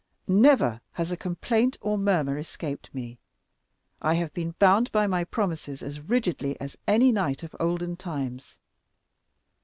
Never has a complaint or a murmur escaped me. I have been bound by my promises as rigidly as any knight of olden times.